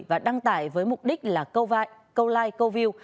và đăng tải với mục đích là câu like câu view